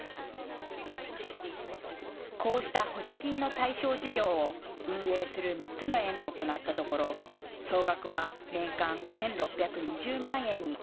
こうした補助金の対象事業を運営する６つの園で行ったところ総額は年間１６２０万円に。